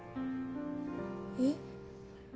えっ？